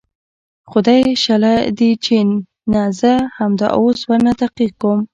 خو دى شله ديه چې نه زه همدا اوس ورنه تحقيق کوم.